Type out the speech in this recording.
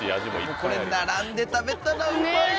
これ並んで食べたらうまいぞ！